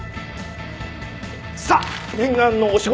さあ念願のお仕事です。